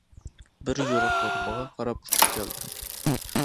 بىر يورۇق نۇر ماڭا قاراپ ئۇچۇپ كەلدى.